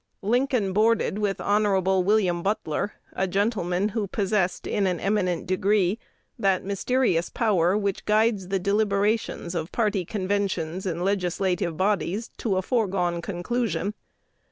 Lincoln boarded with Hon. William Butler, a gentleman who possessed in an eminent degree that mysterious power which guides the deliberations of party conventions and legislative bodies to a foregone conclusion.